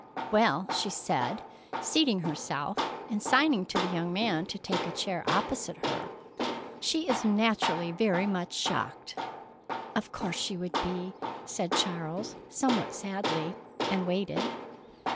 "Well," she said, seating herself and signing to the young man to take a chair opposite her, "she is naturally very much shocked." "Of course she would be," said Charles, somewhat sadly, and waited.